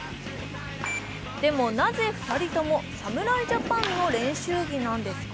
でも、なぜ２人とも侍ジャパンの練習着なんですか？